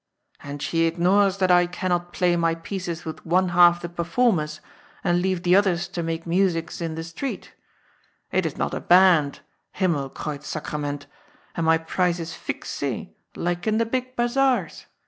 " And she ignores that I cannot play my pieces with one half the performers and leave the others to make musics in the streets. It is not a band, Himmelkreuzsacrament, and my price is " fixe " like in the big bazaars.